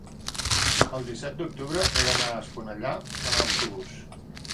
el disset d'octubre he d'anar a Esponellà amb autobús.